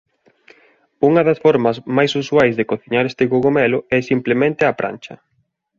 Unha das formas máis usuais de cociñar este cogomelo é simplemente á prancha.